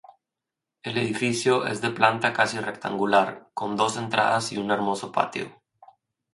El edificio es de planta casi rectangular, con dos entradas y un hermoso patio.